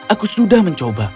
aku sudah mencoba